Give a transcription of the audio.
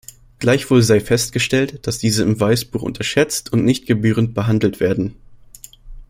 Gleichwohl sei festgestellt, dass diese im Weißbuch unterschätzt und nicht gebührend behandelt werden.